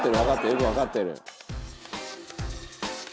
よくわかってる。